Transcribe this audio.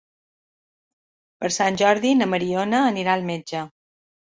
Per Sant Jordi na Mariona anirà al metge.